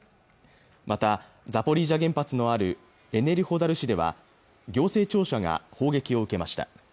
またザポリージャ原発のあるエネルホダル市では行政庁舎が砲撃を受けました